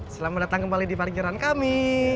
selamat datang kembali di parkiran kami